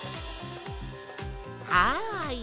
はい。